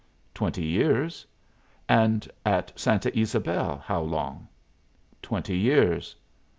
"Twenty years." "And at Santa Ysabel how long?" "Twenty years."